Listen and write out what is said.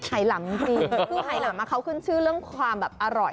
ไฮหลามจีนคือไฮหลามเค้าขึ้นชื่อเรื่องความอร่อย